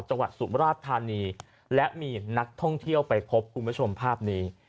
สุมราชธานีและมีนักท่องเที่ยวไปพบคุณผู้ชมภาพนี้